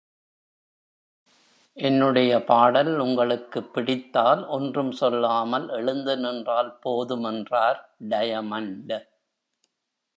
என்னுடைய பாடல் உங்களுக்குப் பிடித்தால், ஒன்றும் சொல்லாமல் எழுந்து நின்றால் போதும் என்றார் டயமண்ட்.